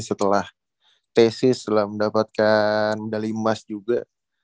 setelah tesis setelah mendapatkan medali emas juga